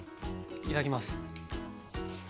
いただきます。